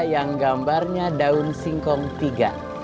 yang gambarnya daun singkong tiga